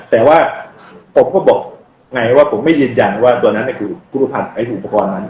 แต่ว่าผมก็บอกไงว่าผมไม่ยืนยันว่าตัวนั้นคือรูปภัณฑ์ไอ้อุปกรณ์นั้น